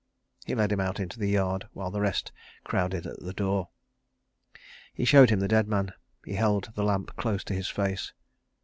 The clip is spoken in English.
He led him out into the yard, while the rest crowded at the door. He showed him the dead man; he held the lamp close to his face.